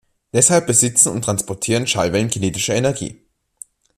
Deshalb besitzen und transportieren Schallwellen kinetische Energie.